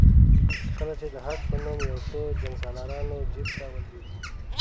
کله چې د حق په نوم یو څه جنګسالارانو جیب ته ولوېږي.